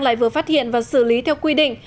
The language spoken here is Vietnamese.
lại vừa phát hiện và xử lý theo quy định